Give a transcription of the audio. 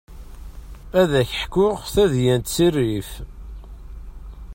Ad ak-ḥkuɣ tadyant si rrif.